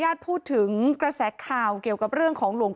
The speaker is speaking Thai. เพราะทนายอันนันชายเดชาบอกว่าจะเป็นการเอาคืนยังไง